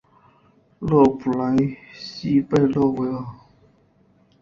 勒普莱西贝勒维尔。